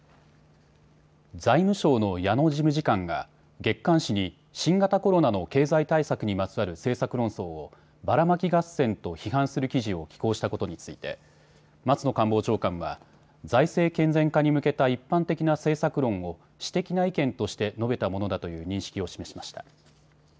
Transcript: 財務省の矢野事務次官が月刊誌に新型コロナの経済対策にまつわる政策論争をバラマキ合戦と批判する記事を寄稿したことについて松野官房長官は財政健全化に向けた一般的な政策論を私的な意見として述べたものだという認識を示しました。